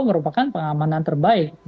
merupakan pengamanan terbaik